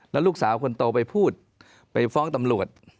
แล้วลูกสาวคนโตไปพูดไปฟ้องตำรวจ